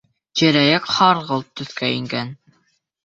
Тирә-яҡ һарғылт төҫкә ингән.